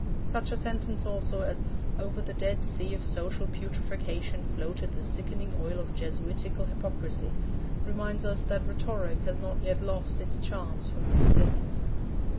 Such a sentence, also, as 'over the Dead Sea of social putrefaction floated the sickening oil of Jesuitical hypocrisy,' reminds us that rhetoric has not yet lost its charms for Mr. Symonds.